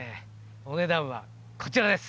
お値段はこちらです！